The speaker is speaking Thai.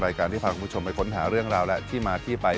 ที่พาคุณผู้ชมไปค้นหาเรื่องราวและที่มาที่ไป